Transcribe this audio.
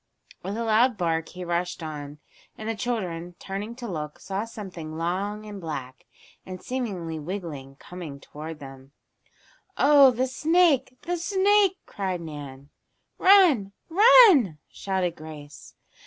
With a loud bark he rushed on, and the children, turning to look, saw something long and black, and seemingly wiggling, come toward them. "Oh, the snake! The snake!" cried Nan. "Run! Run!" shouted Grace.